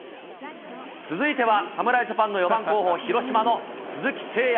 続いては侍ジャパンの４番候補、広島の鈴木誠也。